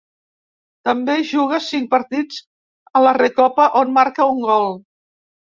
També juga cinc partits a la Recopa, on marca un gol.